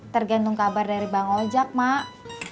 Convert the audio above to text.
tergantung kabar dari bang ojek mak